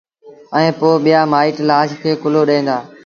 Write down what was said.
ائيٚݩ پو ٻيآ مآئيٚٽ لآش کي ڪُلهو ڏيݩ دآ